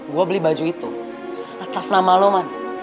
gue beli baju itu atas nama lo man